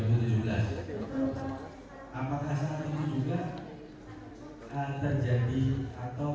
di sini sekalian untuk kamu mana barang bukit yang mau diperlihatkan